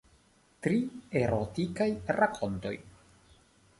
Tri erotikaj rakontoj.